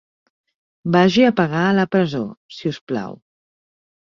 Vagi a pagar a la presó, si us plau.